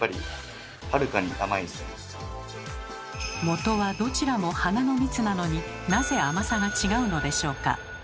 もとはどちらも花の蜜なのになぜ甘さが違うのでしょうか？